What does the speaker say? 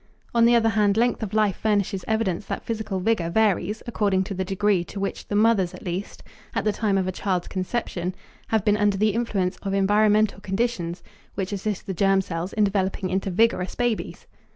On the other hand, length of life furnishes evidence that physical vigor varies according to the degree to which the mothers at least, at the time of a child's conception, have been under the influence of environmental conditions which assist the germ cells in developing into vigorous babies.